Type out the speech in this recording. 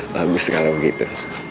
bagus kalau begitu